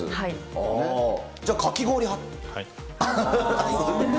じゃあ、かき氷派。